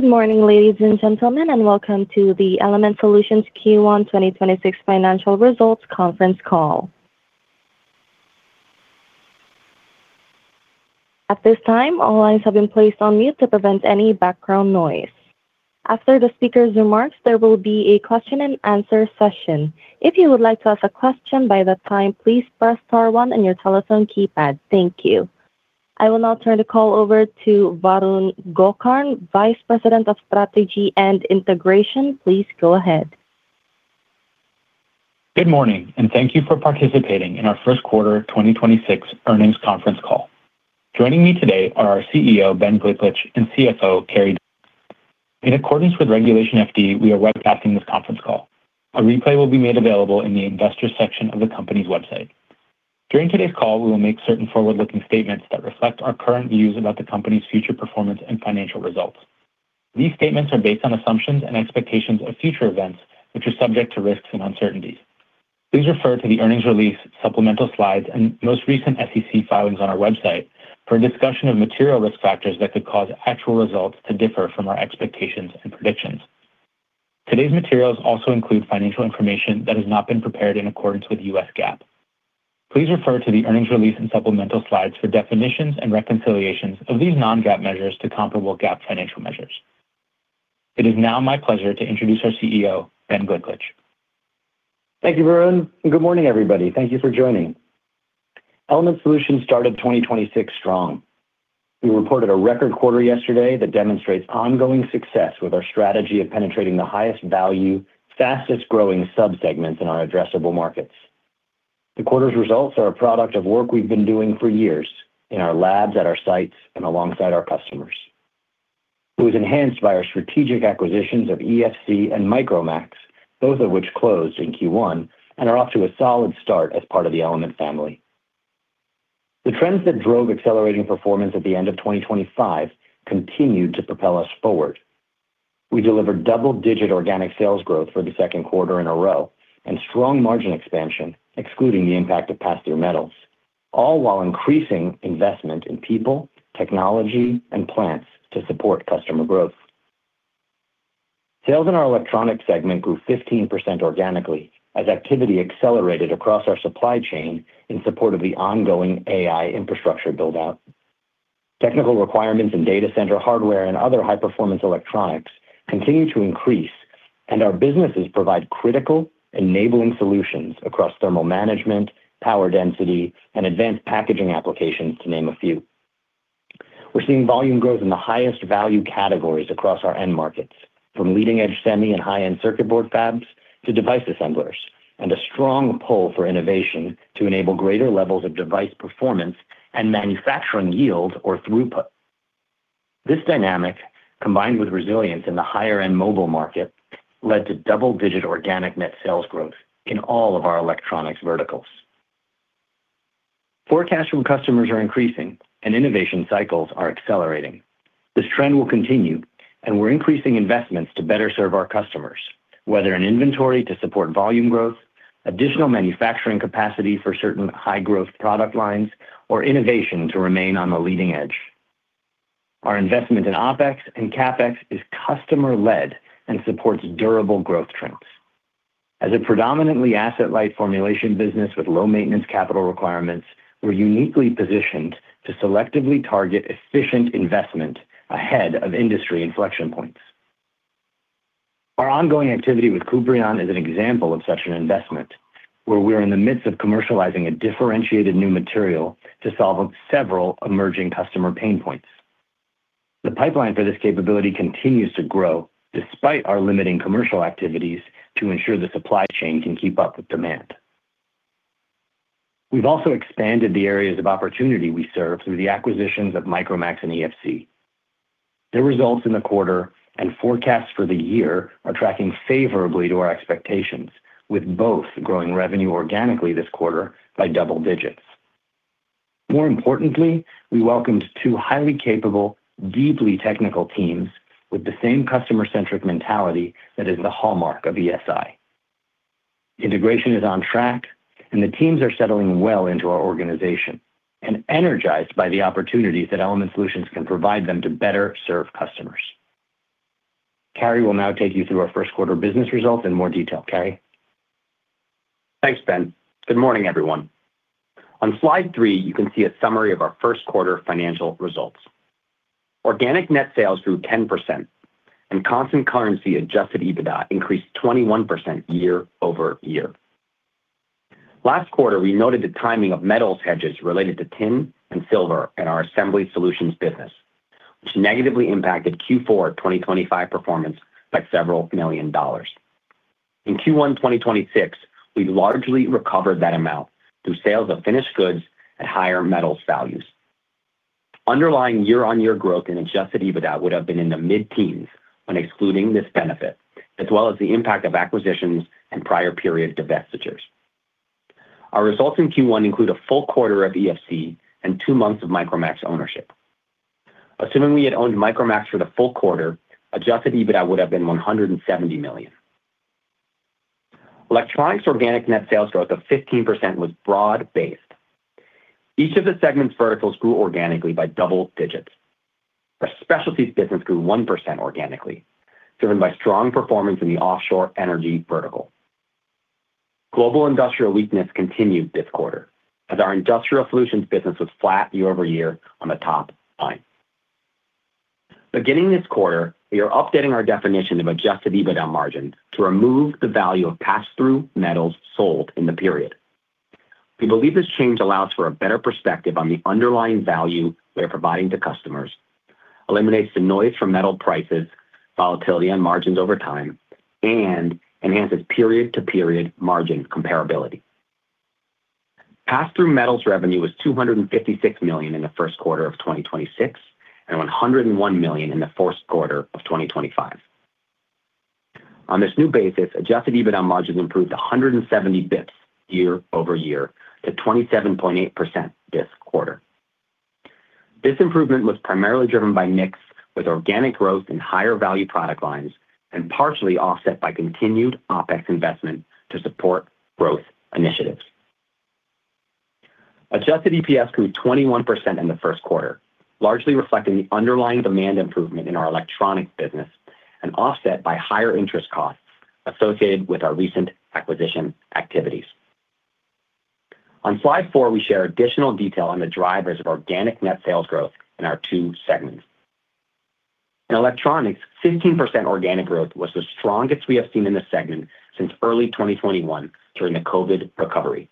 Good morning, ladies and gentlemen, and welcome to the Element Solutions Q1 2026 financial results conference call. At this time all lines have been placed on mute to prevent any background noise after the speakers remarks there will be a question and answer session if you would like to ask a question by that time please press star one on your telephone keypad. Thank you. I will now turn the call over to Varun Gokarn, Vice President of Strategy and Integration. Please go ahead. Good morning. Thank you for participating in our first quarter 2026 earnings conference call. Joining me today are our CEO, Ben Gliklich, and CFO, Carey Dorman. In accordance with Regulation FD, we are webcasting this conference call. A replay will be made available in the investors section of the company's website. During today's call, we will make certain forward-looking statements that reflect our current views about the company's future performance and financial results. These statements are based on assumptions and expectations of future events, which are subject to risks and uncertainties. Please refer to the earnings release, supplemental slides, and most recent SEC filings on our website for a discussion of material risk factors that could cause actual results to differ from our expectations and predictions. Today's materials also include financial information that has not been prepared in accordance with U.S. GAAP. Please refer to the earnings release and supplemental slides for definitions and reconciliations of these non-GAAP measures to comparable GAAP financial measures. It is now my pleasure to introduce our CEO, Ben Gliklich. Thank you, Varun. Good morning, everybody. Thank you for joining. Element Solutions started 2026 strong. We reported a record quarter yesterday that demonstrates ongoing success with our strategy of penetrating the highest value, fastest-growing subsegments in our addressable markets. The quarter's results are a product of work we've been doing for years in our labs, at our sites, and alongside our customers. It was enhanced by our strategic acquisitions of EFC and Micromax, both of which closed in Q1, and are off to a solid start as part of the Element family. The trends that drove accelerating performance at the end of 2025 continued to propel us forward. We delivered double-digit organic sales growth for the second quarter in a row and strong margin expansion, excluding the impact of pass-through metals, all while increasing investment in people, technology, and plants to support customer growth. Sales in our electronics segment grew 15% organically as activity accelerated across our supply chain in support of the ongoing AI infrastructure build-out. Technical requirements in data center hardware and other high-performance electronics continue to increase, and our businesses provide critical enabling solutions across thermal management, power density, and advanced packaging applications, to name a few. We're seeing volume growth in the highest value categories across our end markets, from leading-edge semi and high-end circuit board fabs to device assemblers, and a strong pull for innovation to enable greater levels of device performance and manufacturing yield or throughput. This dynamic, combined with resilience in the higher-end mobile market, led to double-digit organic net sales growth in all of our electronics verticals. Forecasts from customers are increasing, and innovation cycles are accelerating. This trend will continue. We're increasing investments to better serve our customers, whether in inventory to support volume growth, additional manufacturing capacity for certain high-growth product lines, or innovation to remain on the leading edge. Our investment in OpEx and CapEx is customer-led and supports durable growth trends. As a predominantly asset-light formulation business with low maintenance capital requirements, we're uniquely positioned to selectively target efficient investment ahead of industry inflection points. Our ongoing activity with Kuprion is an example of such an investment, where we are in the midst of commercializing a differentiated new material to solve several emerging customer pain points. The pipeline for this capability continues to grow despite our limiting commercial activities to ensure the supply chain can keep up with demand. We've also expanded the areas of opportunity we serve through the acquisitions of Micromax and EFC. Their results in the quarter and forecasts for the year are tracking favorably to our expectations, with both growing revenue organically this quarter by double-digits. More importantly, we welcomed two highly capable, deeply technical teams with the same customer-centric mentality that is the hallmark of ESI. Integration is on track, and the teams are settling well into our organization and energized by the opportunities that Element Solutions can provide them to better serve customers. Carey will now take you through our first quarter business results in more detail. Carey? Thanks, Ben. Good morning, everyone. On slide three, you can see a summary of our first quarter financial results. Organic net sales grew 10%, and constant currency adjusted EBITDA increased 21% year-over-year. Last quarter, we noted the timing of metals hedges related to tin and silver in our assembly solutions business, which negatively impacted Q4 2025 performance by several million dollars. In Q1 2026, we largely recovered that amount through sales of finished goods at higher metals values. Underlying year-on-year growth in adjusted EBITDA would have been in the mid-teens when excluding this benefit, as well as the impact of acquisitions and prior period divestitures. Our results in Q1 include a full quarter of EFC and two months of Micromax ownership. Assuming we had owned Micromax for the full quarter, adjusted EBITDA would have been $170 million. Electronics organic net sales growth of 15% was broad-based. Each of the segment's verticals grew organically by double-digits. Our Specialties business grew 1% organically, driven by strong performance in the offshore energy vertical. Global industrial weakness continued this quarter, as our industrial solutions business was flat year-over-year on the top line. Beginning this quarter, we are updating our definition of adjusted EBITDA margin to remove the value of pass-through metals sold in the period. We believe this change allows for a better perspective on the underlying value we are providing to customers, eliminates the noise from metal prices, volatility and margins over time, and enhances period-to-period margin comparability. Pass-through metals revenue was $256 million in the first quarter of 2026, and $101 million in the fourth quarter of 2025. On this new basis, adjusted EBITDA margins improved 170 basis points year-over-year to 27.8% this quarter. This improvement was primarily driven by mix with organic growth in higher value product lines and partially offset by continued OpEx investment to support growth initiatives. Adjusted EPS grew 21% in the first quarter, largely reflecting the underlying demand improvement in our electronics business and offset by higher interest costs associated with our recent acquisition activities. On Slide four, we share additional detail on the drivers of organic net sales growth in our two segments. In electronics, 15% organic growth was the strongest we have seen in the segment since early 2021 during the COVID recovery.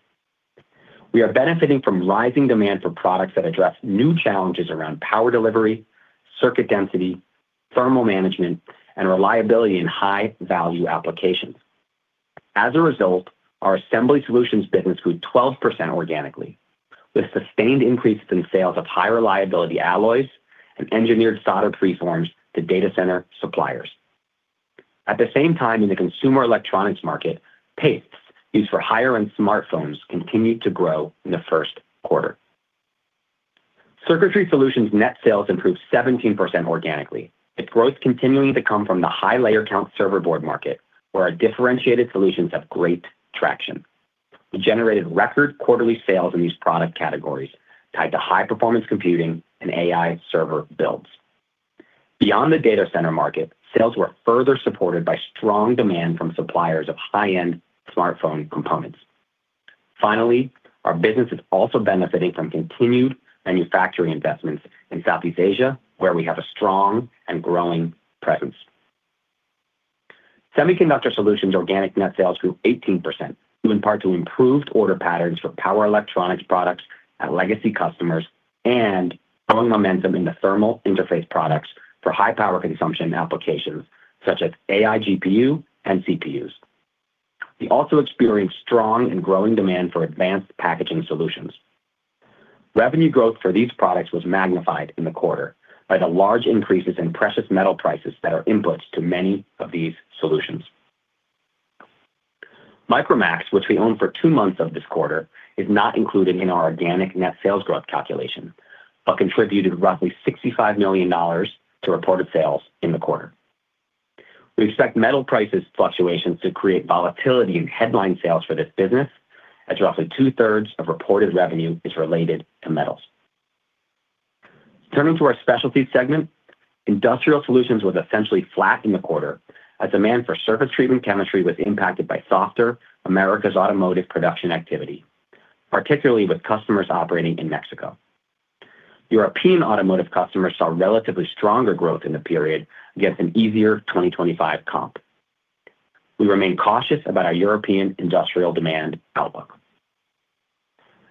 We are benefiting from rising demand for products that address new challenges around power delivery, circuit density, thermal management, and reliability in high-value applications. As a result, our assembly solutions business grew 12% organically, with sustained increases in sales of high reliability alloys and engineered solder preforms to data center suppliers. At the same time, in the consumer electronics market, pastes used for high-end smartphones continued to grow in the first quarter. Circuitry solutions net sales improved 17% organically. Its growth continuing to come from the high layer count server board market, where our differentiated solutions have great traction. We generated record quarterly sales in these product categories tied to high-performance computing and AI server builds. Beyond the data center market, sales were further supported by strong demand from suppliers of high-end smartphone components. Finally, our business is also benefiting from continued manufacturing investments in Southeast Asia, where we have a strong and growing presence. Semiconductor solutions organic net sales grew 18%, due in part to improved order patterns for power electronics products at legacy customers and growing momentum in the thermal interface products for high power consumption applications such as AI GPU and CPUs. We also experienced strong and growing demand for advanced packaging solutions. Revenue growth for these products was magnified in the quarter by the large increases in precious metal prices that are inputs to many of these solutions. Micromax, which we owned for two months of this quarter, is not included in our organic net sales growth calculation, but contributed roughly $65 million to reported sales in the quarter. We expect metal prices fluctuations to create volatility in headline sales for this business, as roughly two-thirds of reported revenue is related to metals. Turning to our specialties segment, industrial solutions was essentially flat in the quarter as demand for surface treatment chemistry was impacted by softer Americas automotive production activity, particularly with customers operating in Mexico. European automotive customers saw relatively stronger growth in the period against an easier 2025 comp. We remain cautious about our European industrial demand outlook.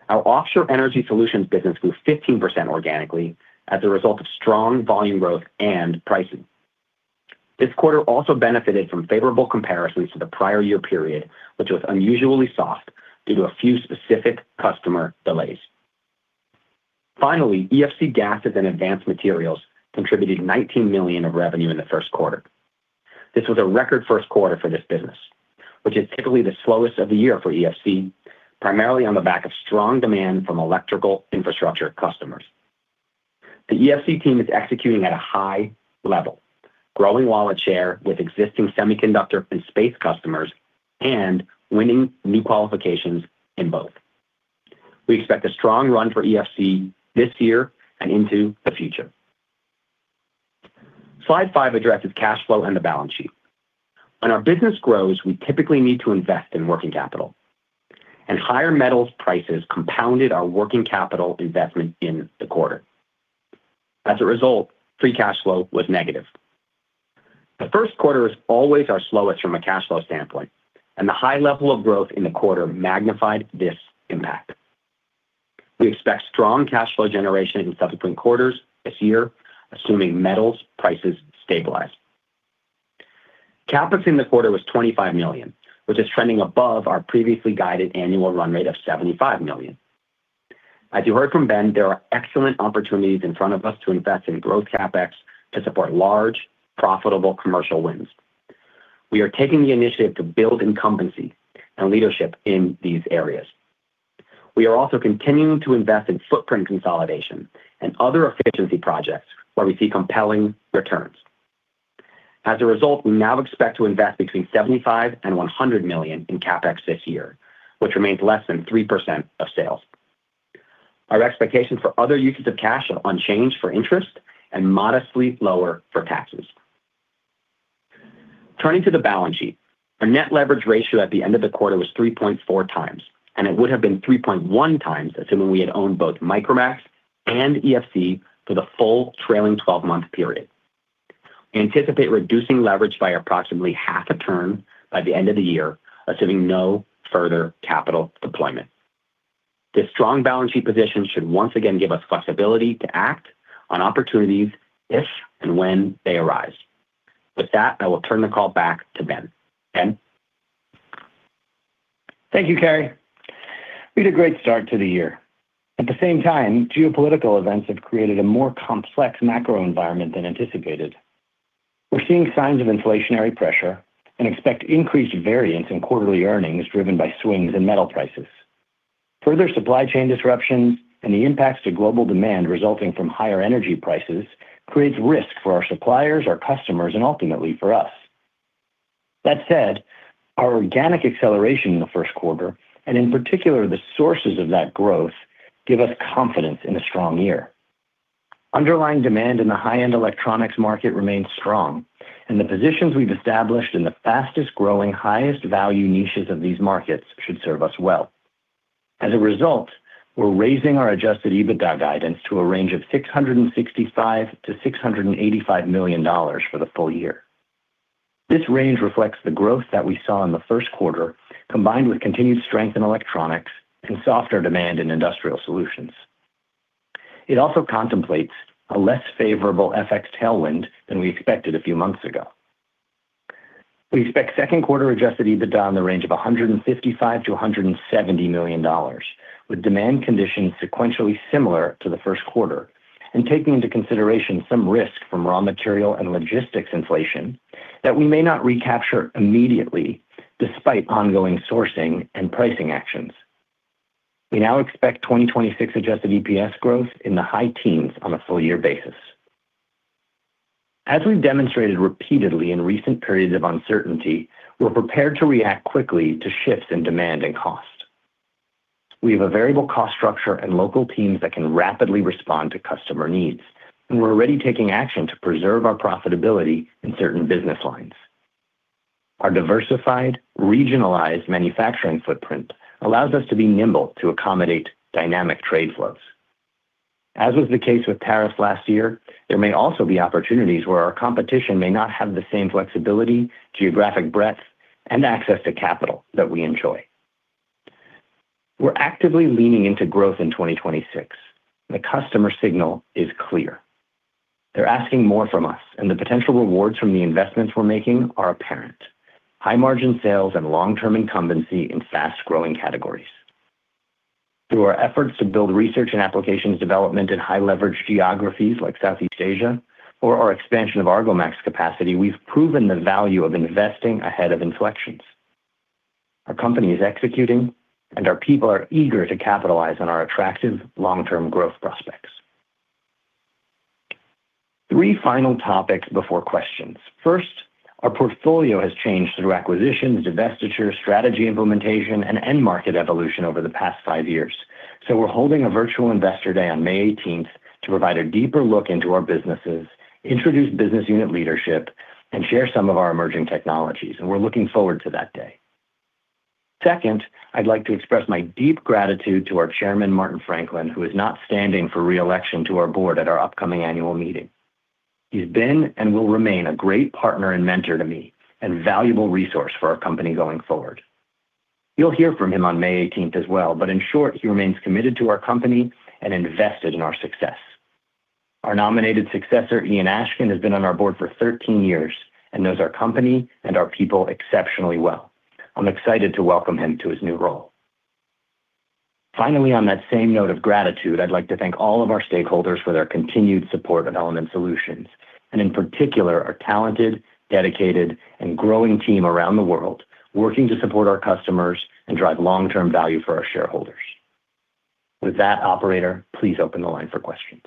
Our offshore energy solutions business grew 15% organically as a result of strong volume growth and pricing. This quarter also benefited from favorable comparisons to the prior year period, which was unusually soft due to a few specific customer delays. Finally, EFC Gases & Advanced Materials contributed $19 million of revenue in the first quarter. This was a record first quarter for this business, which is typically the slowest of the year for EFC, primarily on the back of strong demand from electrical infrastructure customers. The EFC team is executing at a high level, growing wallet share with existing semiconductor and space customers and winning new qualifications in both. We expect a strong run for EFC this year and into the future. Slide five addresses cash flow and the balance sheet. When our business grows, we typically need to invest in working capital, and higher metals prices compounded our working capital investment in the quarter. As a result, free cash flow was negative. The first quarter is always our slowest from a cash flow standpoint, and the high level of growth in the quarter magnified this impact. We expect strong cash flow generation in subsequent quarters this year, assuming metals prices stabilize. CapEx in the quarter was $25 million, which is trending above our previously guided annual run rate of $75 million. As you heard from Ben, there are excellent opportunities in front of us to invest in growth CapEx to support large, profitable commercial wins. We are taking the initiative to build incumbency and leadership in these areas. We are also continuing to invest in footprint consolidation and other efficiency projects where we see compelling returns. As a result, we now expect to invest between $75 million-$100 million in CapEx this year, which remains less than 3% of sales. Our expectations for other uses of cash are unchanged for interest and modestly lower for taxes. Turning to the balance sheet, our net leverage ratio at the end of the quarter was 3.4x, and it would have been 3.1x assuming we had owned both Micromax and EFC for the full trailing 12 month period. We anticipate reducing leverage by approximately half a turn by the end of the year, assuming no further capital deployment. This strong balance sheet position should once again give us flexibility to act on opportunities if and when they arise. With that, I will turn the call back to Ben. Ben? Thank you, Carey. We had a great start to the year. At the same time, geopolitical events have created a more complex macro environment than anticipated. We're seeing signs of inflationary pressure and expect increased variance in quarterly earnings driven by swings in metal prices. Further supply chain disruptions and the impacts to global demand resulting from higher energy prices creates risk for our suppliers, our customers, and ultimately for us. That said, our organic acceleration in the first quarter, and in particular the sources of that growth, give us confidence in a strong year. Underlying demand in the high-end electronics market remains strong, and the positions we've established in the fastest-growing, highest-value niches of these markets should serve us well. As a result, we're raising our adjusted EBITDA guidance to a range of $665 million-$685 million for the full year. This range reflects the growth that we saw in the first quarter, combined with continued strength in electronics and softer demand in industrial solutions. It also contemplates a less favorable FX tailwind than we expected a few months ago. We expect second quarter adjusted EBITDA in the range of $155 million-$170 million, with demand conditions sequentially similar to the first quarter, and taking into consideration some risk from raw material and logistics inflation that we may not recapture immediately despite ongoing sourcing and pricing actions. We now expect 2026 adjusted EPS growth in the high-teens on a full year basis. As we've demonstrated repeatedly in recent periods of uncertainty, we're prepared to react quickly to shifts in demand and cost. We have a variable cost structure and local teams that can rapidly respond to customer needs. We're already taking action to preserve our profitability in certain business lines. Our diversified, regionalized manufacturing footprint allows us to be nimble to accommodate dynamic trade flows. As was the case with tariffs last year, there may also be opportunities where our competition may not have the same flexibility, geographic breadth, and access to capital that we enjoy. We're actively leaning into growth in 2026. The customer signal is clear. They're asking more from us. The potential rewards from the investments we're making are apparent. High margin sales and long-term incumbency in fast-growing categories. Through our efforts to build research and applications development in high leverage geographies like Southeast Asia or our expansion of ArgoMax capacity, we've proven the value of investing ahead of inflections. Our company is executing, and our people are eager to capitalize on our attractive long-term growth prospects. Three final topics before questions. Our portfolio has changed through acquisitions, divestitures, strategy implementation, and end market evolution over the past five years. We're holding a virtual investor day on May 18th to provide a deeper look into our businesses, introduce business unit leadership, and share some of our emerging technologies, and we're looking forward to that day. I'd like to express my deep gratitude to our Chairman, Martin Franklin, who is not standing for re-election to our board at our upcoming annual meeting. He's been and will remain a great partner and mentor to me and valuable resource for our company going forward. You'll hear from him on May 18th as well, but in short, he remains committed to our company and invested in our success. Our nominated successor, Ian Ashken, has been on our board for 13 years and knows our company and our people exceptionally well. I'm excited to welcome him to his new role. Finally, on that same note of gratitude, I'd like to thank all of our stakeholders for their continued support of Element Solutions, and in particular, our talented, dedicated, and growing team around the world working to support our customers and drive long-term value for our shareholders. With that, operator, please open the line for questions.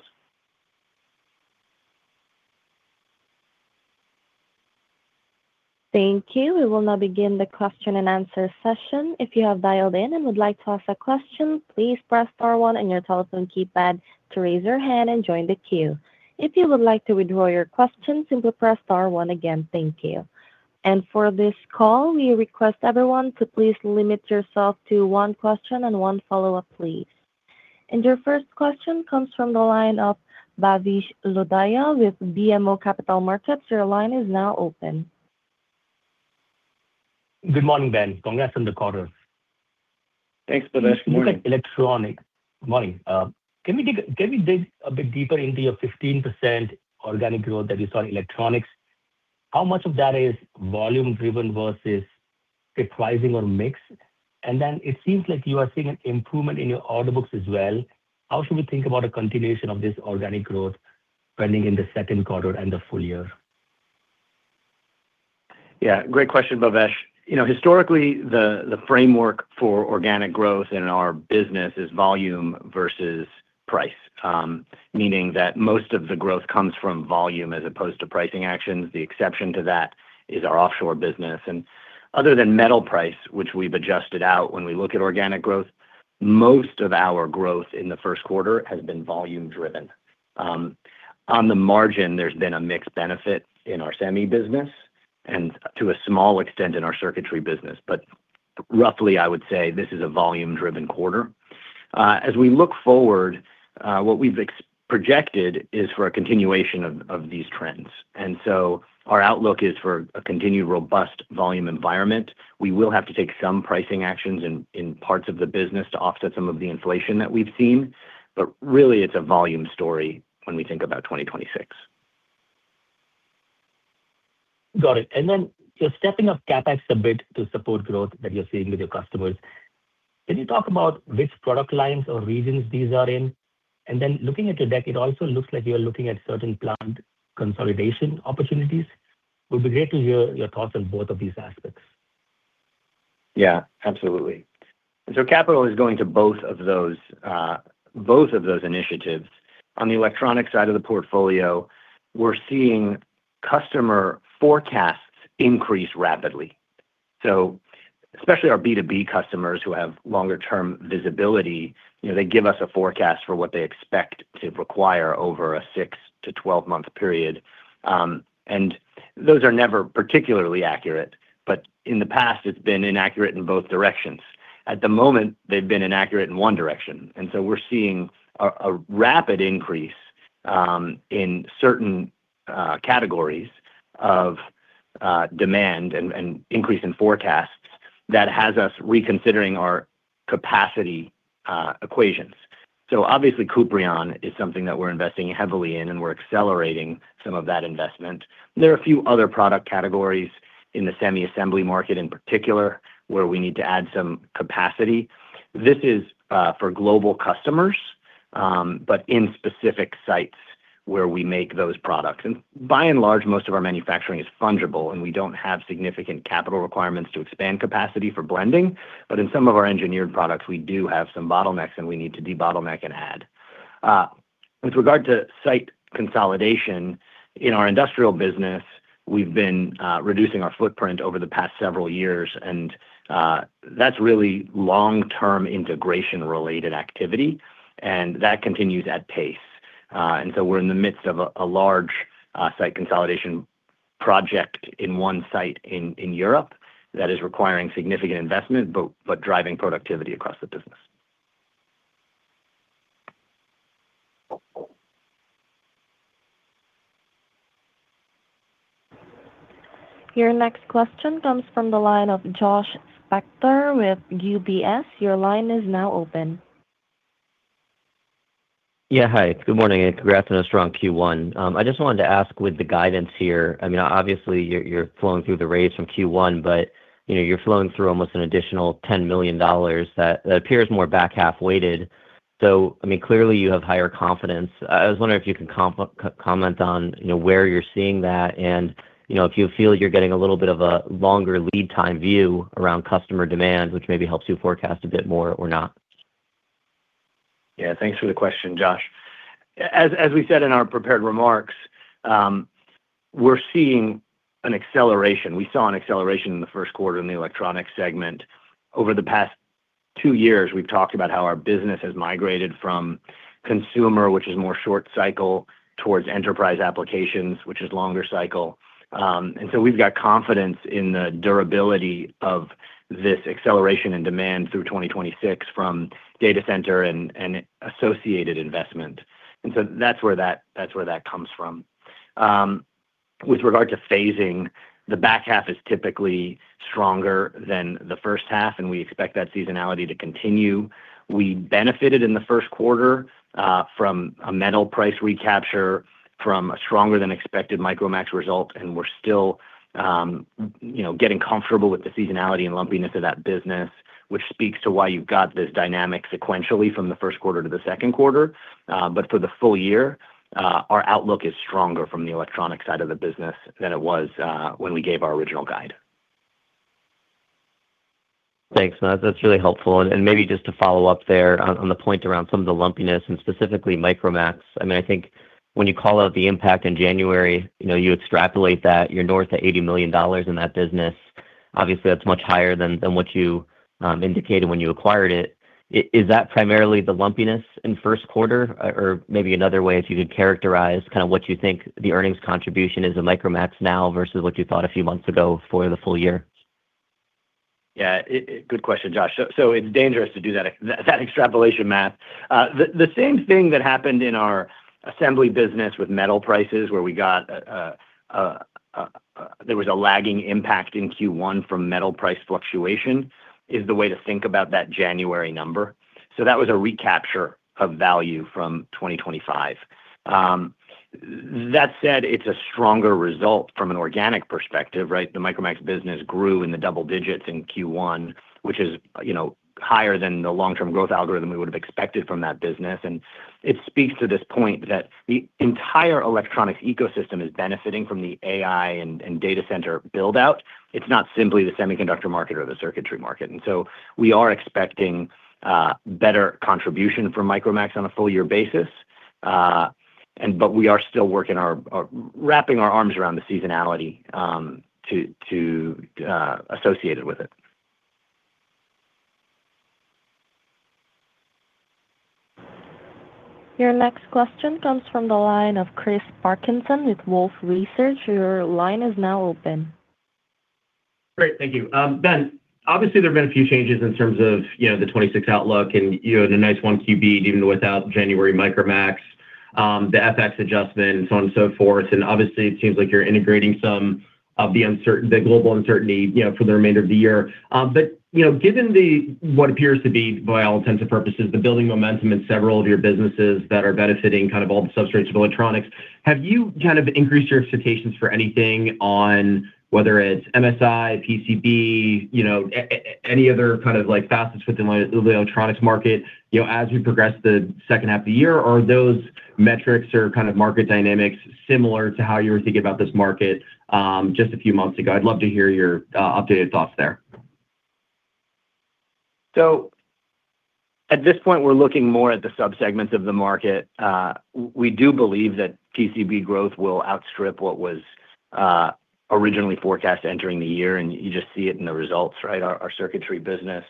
Thank you. We will now begin the question and answer session. If you have dialed in and would like to ask a question, please press star one on your telephone keypad to raise your hand and join the queue. If you would like to withdraw your question, simply press star one again. Thank you. For this call, we request everyone to please limit yourself to one question and one follow-up, please. Your first question comes from the line of Bhavesh Lodaya with BMO Capital Markets. Your line is now open. Good morning, Ben. Congrats on the quarter. Thanks, Bhavesh. Morning. Morning. Can we dig a bit deeper into your 15% organic growth that you saw in electronics? How much of that is volume driven versus mix pricing or mix? It seems like you are seeing an improvement in your order books as well. How should we think about a continuation of this organic growth trending in the second quarter and the full year? Yeah, great question, Bhavesh. You know, historically, the framework for organic growth in our business is volume versus price. Meaning that most of the growth comes from volume as opposed to pricing actions. The exception to that is our offshore business. Other than metal price, which we've adjusted out when we look at organic growth, most of our growth in the first quarter has been volume driven. On the margin, there's been a mixed benefit in our semi business and to a small extent in our circuitry business. Roughly, I would say this is a volume-driven quarter. As we look forward, what we've projected is for a continuation of these trends. Our outlook is for a continued robust volume environment. We will have to take some pricing actions in parts of the business to offset some of the inflation that we've seen. Really it's a volume story when we think about 2026. Got it. You're stepping up CapEx a bit to support growth that you're seeing with your customers. Can you talk about which product lines or regions these are in? Looking at your deck, it also looks like you're looking at certain plant consolidation opportunities. Would be great to hear your thoughts on both of these aspects. Yeah, absolutely. Capital is going to both of those, both of those initiatives. On the electronic side of the portfolio, we're seeing customer forecasts increase rapidly. Especially our B2B customers who have longer term visibility, you know, they give us a forecast for what they expect to require over a six to 12 month period. Those are never particularly accurate, but in the past, it's been inaccurate in both directions. At the moment, they've been inaccurate in one direction, we're seeing a rapid increase in certain categories of demand and increase in forecasts that has us reconsidering our capacity equations. Obviously, Kuprion is something that we're investing heavily in, and we're accelerating some of that investment. There are a few other product categories in the semi-assembly market in particular, where we need to add some capacity. This is for global customers, in specific sites where we make those products. By and large, most of our manufacturing is fungible, and we don't have significant capital requirements to expand capacity for blending. In some of our engineered products, we do have some bottlenecks, and we need to de-bottleneck and add. With regard to site consolidation, in our industrial business, we've been reducing our footprint over the past several years, and that's really long-term integration related activity, and that continues at pace. We're in the midst of a large site consolidation project in one site in Europe that is requiring significant investment, but driving productivity across the business. Your next question comes from the line of Josh Spector with UBS. Your line is now open. Yeah, hi. Good morning, and congrats on a strong Q1. I just wanted to ask with the guidance here, I mean, obviously, you're flowing through the rates from Q1, but, you know, you're flowing through almost an additional $10 million that appears more back half weighted. I mean, clearly you have higher confidence. I was wondering if you could comment on, you know, where you're seeing that and, you know, if you feel you're getting a little bit of a longer lead time view around customer demand, which maybe helps you forecast a bit more or not. Yeah. Thanks for the question, Josh. As we said in our prepared remarks, we're seeing an acceleration. We saw an acceleration in the first quarter in the electronic segment. Over the past two years, we've talked about how our business has migrated from consumer, which is more short cycle, towards enterprise applications, which is longer cycle. We've got confidence in the durability of this acceleration and demand through 2026 from data center and associated investment, that's where that comes from. With regard to phasing, the back half is typically stronger than the first half, and we expect that seasonality to continue. We benefited in the first quarter from a metal price recapture from a stronger than expected Micromax result, and we're still, you know, getting comfortable with the seasonality and lumpiness of that business, which speaks to why you've got this dynamic sequentially from the first quarter to the second quarter. For the full year, our outlook is stronger from the electronic side of the business than it was when we gave our original guide. Thanks, Ben. That's really helpful. Maybe just to follow up there on the point around some of the lumpiness and specifically Micromax. I mean, I think when you call out the impact in January, you know, you extrapolate that, you're north of $80 million in that business. Obviously, that's much higher than what you indicated when you acquired it. Is that primarily the lumpiness in first quarter? Maybe another way, if you could characterize kind of what you think the earnings contribution is of Micromax now versus what you thought a few months ago for the full year? Good question, Josh. It's dangerous to do that extrapolation math. The same thing that happened in our assembly business with metal prices, where there was a lagging impact in Q1 from metal price fluctuation, is the way to think about that January number. That was a recapture of value from 2025. That said, it's a stronger result from an organic perspective, right? The Micromax business grew in the double-digits in Q1, which is, you know, higher than the long-term growth algorithm we would have expected from that business. It speaks to this point that the entire electronics ecosystem is benefiting from the AI and data center build-out. It's not simply the semiconductor market or the circuitry market. We are expecting better contribution from Micromax on a full year basis, but we are still working our wrapping our arms around the seasonality associated with it. Your next question comes from the line of Chris Parkinson with Wolfe Research. Your line is now open. Great. Thank you. Ben, obviously, there have been a few changes in terms of, you know, the 2026 outlook and, you know, the nice one QB, even without January Micromax, the FX adjustment and so on and so forth. Obviously, it seems like you're integrating some of the global uncertainty, you know, for the remainder of the year. You know, given the, what appears to be, by all intents and purposes, the building momentum in several of your businesses that are benefiting kind of all the substrates of electronics, have you kind of increased your expectations for anything on whether it's MSI, PCB, you know, any other kind of, like, facets within the electronics market, you know, as we progress the second half of the year? Are those metrics or kind of market dynamics similar to how you were thinking about this market, just a few months ago? I'd love to hear your updated thoughts there. At this point, we're looking more at the sub-segments of the market. We do believe that PCB growth will outstrip what was originally forecast entering the year, and you just see it in the results, right? Our circuitry business,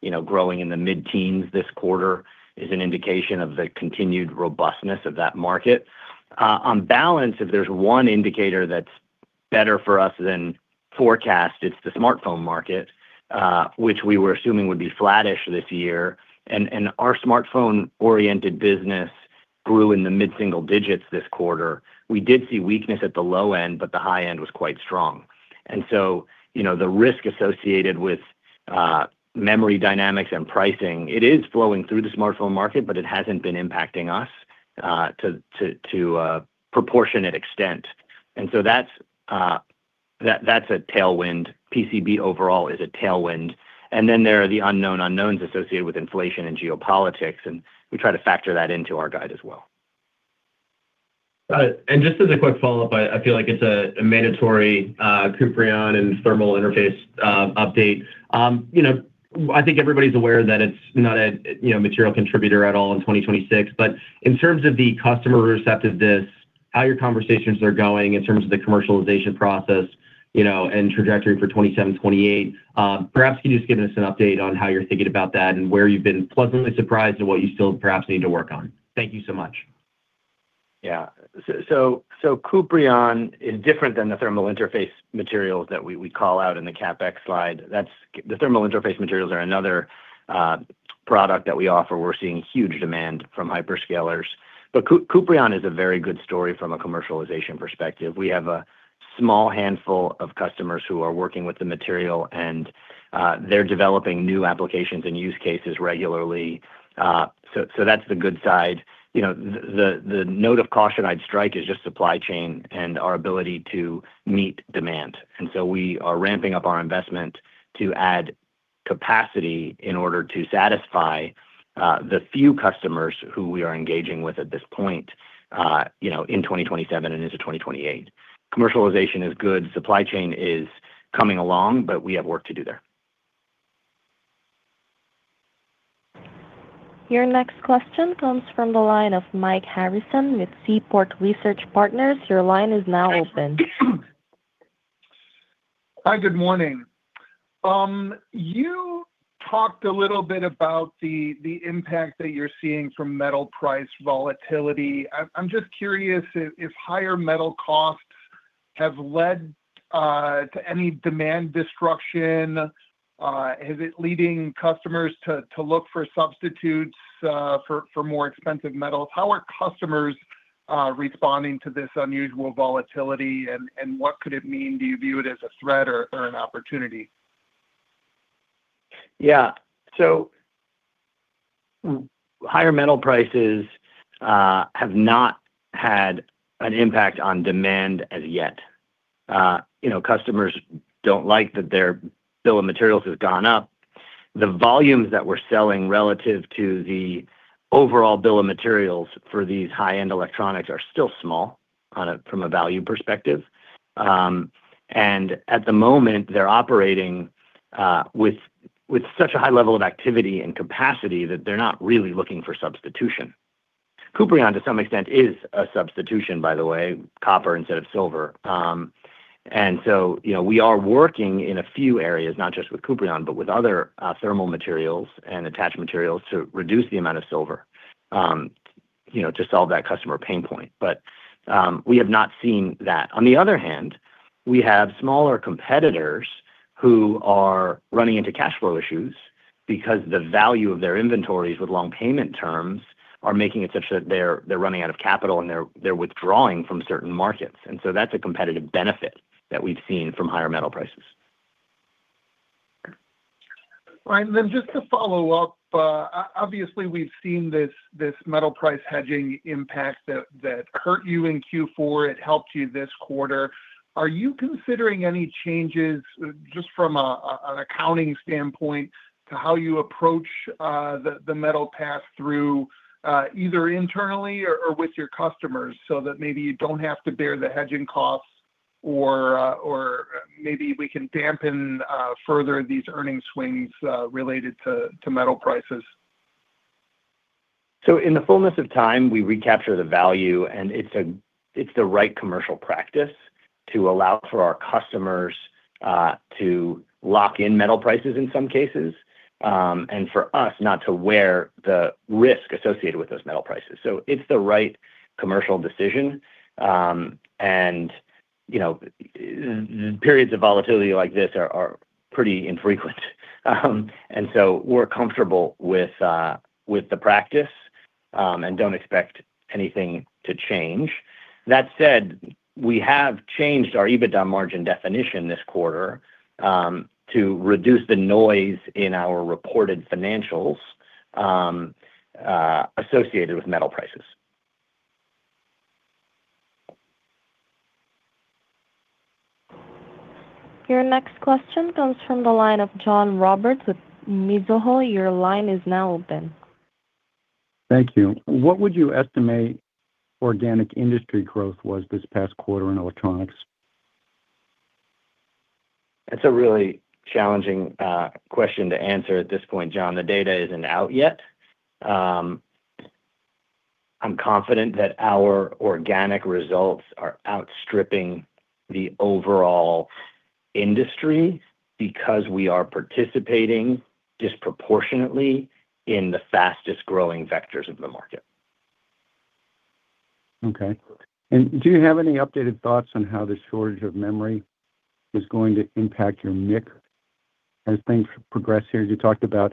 you know, growing in the mid-teens this quarter is an indication of the continued robustness of that market. On balance, if there's one indicator that's better for us than forecast, it's the smartphone market, which we were assuming would be flattish this year. Our smartphone-oriented business grew in the mid single-digits this quarter. We did see weakness at the low end, but the high end was quite strong. You know, the risk associated with memory dynamics and pricing, it is flowing through the smartphone market, but it hasn't been impacting us to a proportionate extent. That's a tailwind, PCB overall is a tailwind. Then there are the unknown unknowns associated with inflation and geopolitics, and we try to factor that into our guide as well. Got it. Just as a quick follow-up, I feel like it's a mandatory Kuprion and thermal interface update. You know, I think everybody's aware that it's not a material contributor at all in 2026, but in terms of the customer receptiveness, how your conversations are going in terms of the commercialization process, you know, and trajectory for 2027, 2028, perhaps can you just give us an update on how you're thinking about that and where you've been pleasantly surprised and what you still perhaps need to work on? Thank you so much. Kuprion is different than the thermal interface materials that we call out in the CapEx slide. The thermal interface materials are another product that we offer. We're seeing huge demand from hyperscalers. Kuprion is a very good story from a commercialization perspective. We have a small handful of customers who are working with the material, and they're developing new applications and use cases regularly, so that's the good side. You know, the, the note of caution I'd strike is just supply chain and our ability to meet demand. We are ramping up our investment to add capacity in order to satisfy the few customers who we are engaging with at this point, you know, in 2027 and into 2028. Commercialization is good, supply chain is coming along, but we have work to do there. Your next question comes from the line of Mike Harrison with Seaport Research Partners. Your line is now open. Hi, good morning. You talked a little bit about the impact that you're seeing from metal price volatility. I'm just curious if higher metal costs have led to any demand destruction. Is it leading customers to look for substitutes for more expensive metals? How are customers responding to this unusual volatility, and what could it mean? Do you view it as a threat or an opportunity? Yeah. Higher metal prices have not had an impact on demand as yet. You know, customers don't like that their bill of materials has gone up. The volumes that we're selling relative to the overall bill of materials for these high-end electronics are still small from a value perspective. At the moment, they're operating with such a high level of activity and capacity that they're not really looking for substitution. Kuprion, to some extent, is a substitution, by the way, copper instead of silver. You know, we are working in a few areas, not just with Kuprion, but with other thermal materials and attached materials to reduce the amount of silver, you know, to solve that customer pain point, we have not seen that. On the other hand, we have smaller competitors who are running into cash flow issues because the value of their inventories with long payment terms are making it such that they're running out of capital, and they're withdrawing from certain markets. That's a competitive benefit that we've seen from higher metal prices. All right. Just to follow up, obviously, we've seen this metal price hedging impact that hurt you in Q4. It helped you this quarter. Are you considering any changes just from an accounting standpoint to how you approach the metal pass-through either internally or with your customers so that maybe you don't have to bear the hedging costs? Maybe we can dampen further these earning swings related to metal prices. In the fullness of time, we recapture the value, and it's the right commercial practice to allow for our customers to lock in metal prices in some cases, and for us not to wear the risk associated with those metal prices. It's the right commercial decision. And, you know, periods of volatility like this are pretty infrequent. And we're comfortable with the practice and don't expect anything to change. That said, we have changed our EBITDA margin definition this quarter to reduce the noise in our reported financials associated with metal prices. Your next question comes from the line of John Roberts with Mizuho. Your line is now open. Thank you. What would you estimate organic industry growth was this past quarter in electronics? That's a really challenging question to answer at this point, John. The data isn't out yet. I'm confident that our organic results are outstripping the overall industry because we are participating disproportionately in the fastest-growing vectors of the market. Okay. Do you have any updated thoughts on how the shortage of memory is going to impact your mix as things progress here? You talked about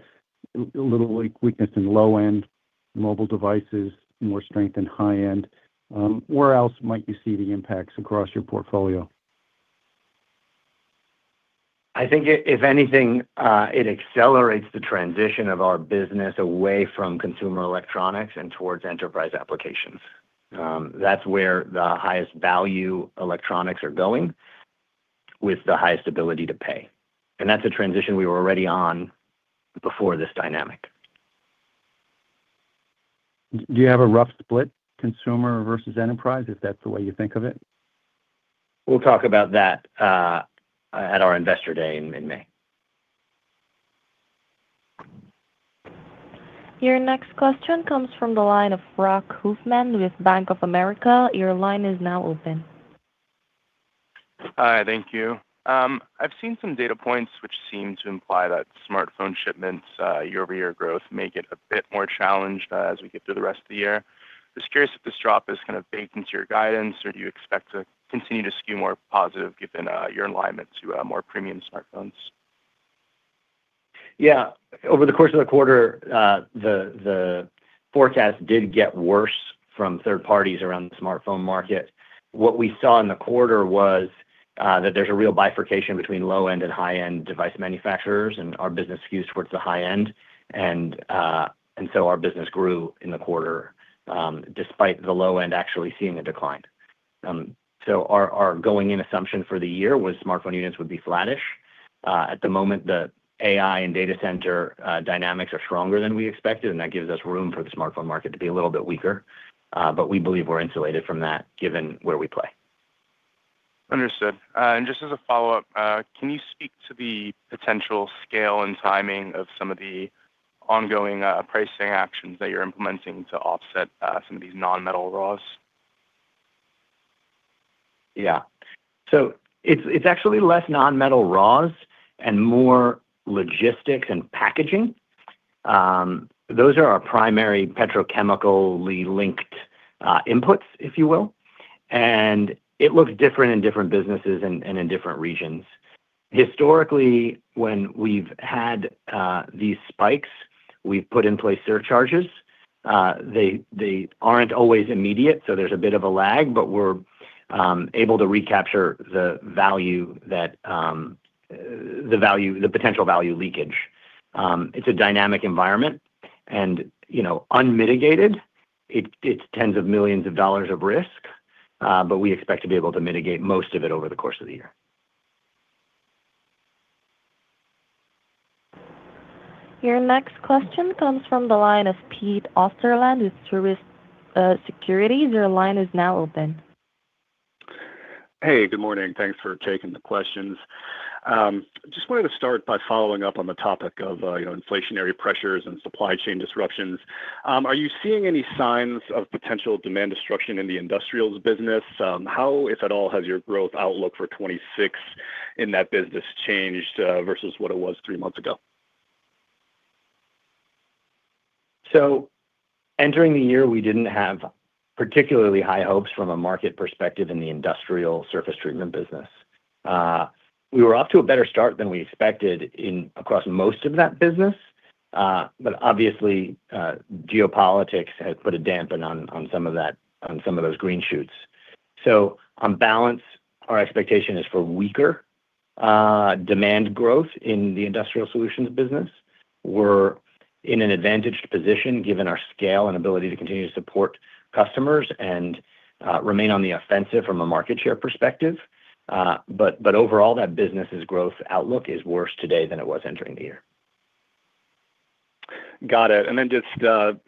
a little weakness in low-end mobile devices, more strength in high-end. Where else might you see the impacts across your portfolio? I think if anything, it accelerates the transition of our business away from consumer electronics and towards enterprise applications. That's where the highest value electronics are going, with the highest ability to pay. That's a transition we were already on before this dynamic. Do you have a rough split consumer versus enterprise, if that's the way you think of it? We'll talk about that, at our Investor Day in May. Your next question comes from the line of Rock Hoffman with Bank of America. Your line is now open. Hi, thank you. I've seen some data points which seem to imply that smartphone shipments, year-over-year growth may get a bit more challenged as we get through the rest of the year. Just curious if this drop is kind of baked into your guidance, or do you expect to continue to skew more positive given your alignment to more premium smartphones? Yeah. Over the course of the quarter, the forecast did get worse from third parties around the smartphone market. What we saw in the quarter was that there's a real bifurcation between low-end and high-end device manufacturers, and our business skews towards the high-end. Our business grew in the quarter despite the low end actually seeing a decline. Our going-in assumption for the year was smartphone units would be flattish. At the moment, the AI and data center dynamics are stronger than we expected, and that gives us room for the smartphone market to be a little bit weaker. We believe we're insulated from that given where we play. Understood. Just as a follow-up, can you speak to the potential scale and timing of some of the ongoing pricing actions that you're implementing to offset some of these non-metal raws? Yeah. It's actually less non-metal raws and more logistics and packaging. Those are our primary petrochemically linked inputs, if you will. It looks different in different businesses and in different regions. Historically, when we've had these spikes, we've put in place surcharges. They aren't always immediate, so there's a bit of a lag, but we're able to recapture the value that the potential value leakage. It's a dynamic environment and, you know, unmitigated, it's tens of millions of dollars of risk, but we expect to be able to mitigate most of it over the course of the year. Your next question comes from the line of Pete Osterland with Truist Securities. Your line is now open. Hey, good morning. Thanks for taking the questions. Just wanted to start by following up on the topic of, you know, inflationary pressures and supply chain disruptions. Are you seeing any signs of potential demand destruction in the industrials business? How, if at all, has your growth outlook for 2026 in that business changed versus what it was three months ago? Entering the year, we didn't have particularly high hopes from a market perspective in the industrial surface treatment business. We were off to a better start than we expected across most of that business. Obviously, geopolitics has put a dampen on some of those green shoots. On balance, our expectation is for weaker demand growth in the industrial solutions business. We're in an advantaged position given our scale and ability to continue to support customers and remain on the offensive from a market share perspective. Overall, that business's growth outlook is worse today than it was entering the year. Got it.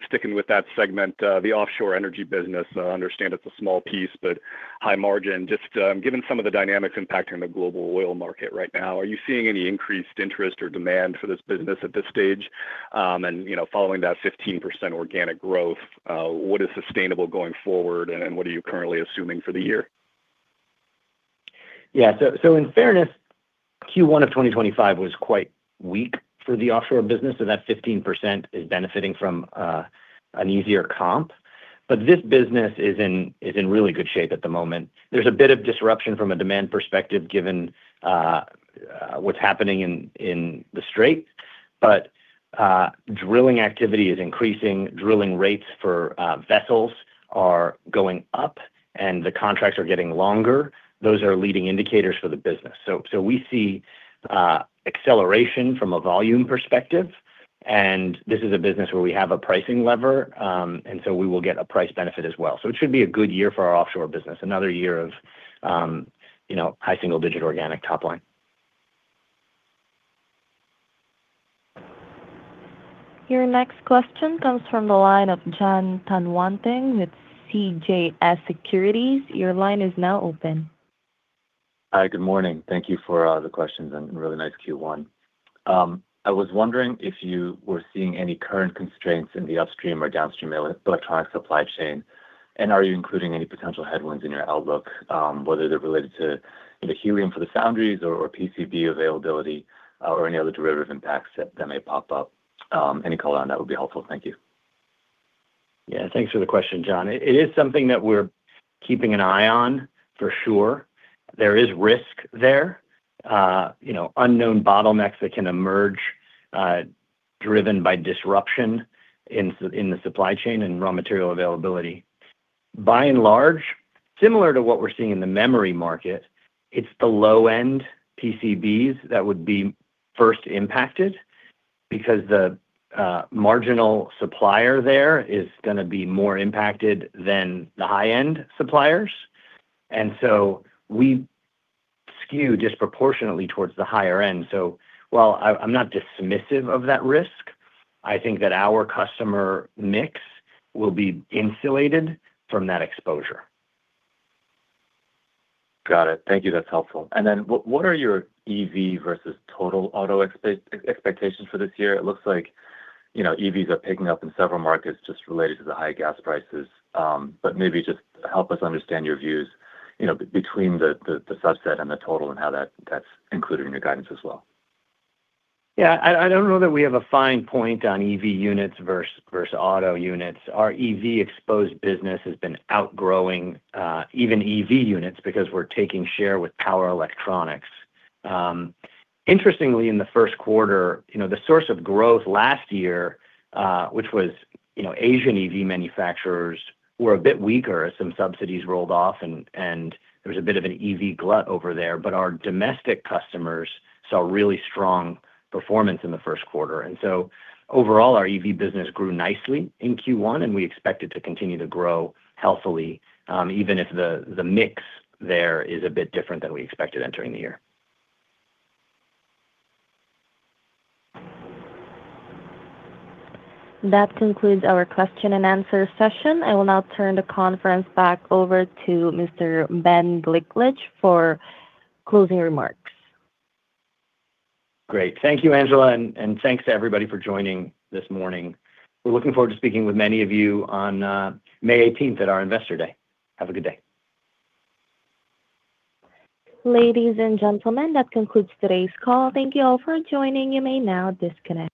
Sticking with that segment, the offshore energy solutions, I understand it's a small piece, but high margin. Given some of the dynamics impacting the global oil market right now, are you seeing any increased interest or demand for this business at this stage? You know, following that 15% organic growth, what is sustainable going forward and what are you currently assuming for the year? Yeah. In fairness, Q1 of 2025 was quite weak for the offshore business, so that 15% is benefiting from an easier comp. This business is in really good shape at the moment. There's a bit of disruption from a demand perspective given what's happening in the Strait. Drilling activity is increasing, drilling rates for vessels are going up, and the contracts are getting longer. Those are leading indicators for the business. We see acceleration from a volume perspective, and this is a business where we have a pricing lever, we will get a price benefit as well. It should be a good year for our offshore business, another year of, you know, high single-digit organic top line. Your next question comes from the line of Jon Tanwanteng with CJS Securities. Your line is now open. Hi, good morning. Thank you for the questions and really nice Q1. I was wondering if you were seeing any current constraints in the upstream or downstream electronic supply chain, and are you including any potential headwinds in your outlook, whether they're related to either helium for the foundries or PCB availability, or any other derivative impacts that may pop up? Any color on that would be helpful. Thank you. Yeah. Thanks for the question, Jon. It is something that we're keeping an eye on, for sure. There is risk there, you know, unknown bottlenecks that can emerge, driven by disruption in the supply chain and raw material availability. By and large, similar to what we're seeing in the memory market, it's the low-end PCBs that would be first impacted because the marginal supplier there is going to be more impacted than the high-end suppliers. We skew disproportionately towards the higher end. While I'm not dismissive of that risk, I think that our customer mix will be insulated from that exposure. Got it. Thank you. That's helpful. What, what are your EV versus total auto expectations for this year? It looks like, you know, EVs are picking up in several markets just related to the high gas prices. Maybe just help us understand your views, you know, between the subset and the total and how that's included in your guidance as well. Yeah. I don't know that we have a fine point on EV units versus auto units. Our EV-exposed business has been outgrowing even EV units because we're taking share with power electronics. Interestingly, in the first quarter, you know, the source of growth last year, which was, you know, Asian EV manufacturers were a bit weaker as some subsidies rolled off and there was a bit of an EV glut over there. Our domestic customers saw really strong performance in the first quarter. Overall, our EV business grew nicely in Q1, and we expect it to continue to grow healthily even if the mix there is a bit different than we expected entering the year. That concludes our question and answer session. I will now turn the conference back over to Mr. Ben Gliklich for closing remarks. Great. Thank you, Angela, and thanks to everybody for joining this morning. We're looking forward to speaking with many of you on May 18th at our Investor Day. Have a good day. Ladies and gentlemen, that concludes today's call. Thank you all for joining. You may now disconnect.